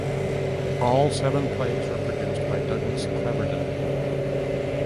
All seven plays were produced by Douglas Cleverdon.